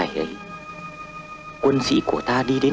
dũng cảm lên